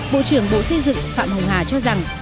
bộ trưởng bộ xây dựng phạm hồng hà cho rằng